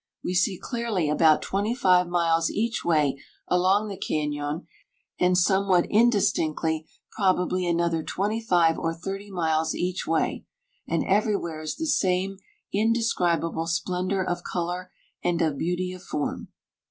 We see clearly about twenty five miles each way along the cañon, and somewhat indistinctly probably another twenty five or thirty miles each way, and everywhere is the same indescribable splendor of color and of beauty of form.